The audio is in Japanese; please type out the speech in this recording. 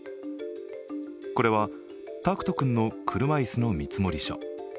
これは拓人君の車椅子の見積書。